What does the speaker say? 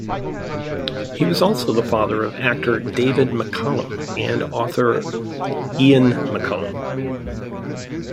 He was also the father of actor David McCallum and of author Iain McCallum.